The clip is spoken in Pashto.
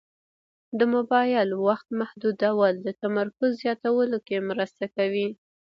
د موبایل وخت محدودول د تمرکز زیاتولو کې مرسته کوي.